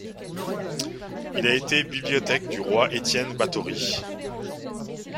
Il a été bibliothèque du roi Étienne Báthory.